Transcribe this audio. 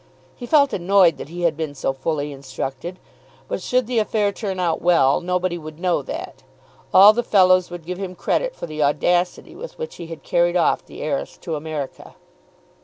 He felt annoyed that he had been so fully instructed. But should the affair turn out well nobody would know that. All the fellows would give him credit for the audacity with which he had carried off the heiress to America.